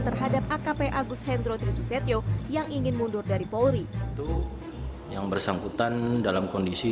terhadap akp agus hendro trisusetyo yang ingin mundur dari polri itu yang bersangkutan dalam kondisi